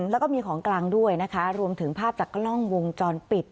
แล้วก็มีของกลางด้วยนะคะรวมถึงภาพจากกล้องวงจรปิด